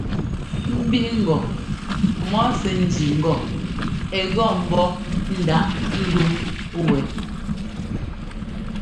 Mbíꞌŋgɔ mɔ sɛ́ ńjí ŋgɔ ɛ́ gɔ́ ḿbɔ́ ndaꞌ ndúŋ wɛ.